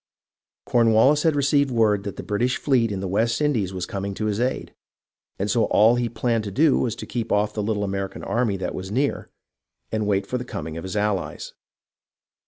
Cornwallis had received word that the British fleet in the West Indies was coming to his aid, and so all he planned to do was to keep off the little American army that was near and wait for the coming of his allies.